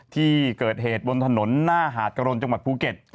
ที่เกิดเหตุบนถนนหน้าหาดกะรนจังหวัดภูเก็ต